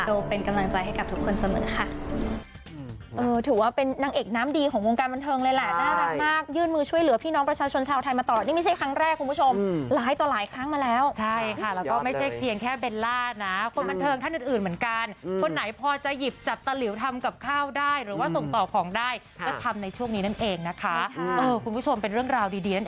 เป็นกำลังใจให้กับทุกคนเสมอค่ะ